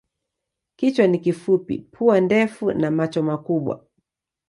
Kichwa ni kifupi, pua ndefu na macho makubwa.